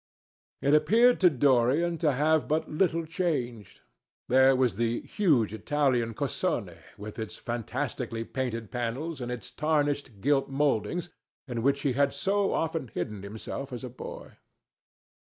It appeared to Dorian to have but little changed. There was the huge Italian cassone, with its fantastically painted panels and its tarnished gilt mouldings, in which he had so often hidden himself as a boy.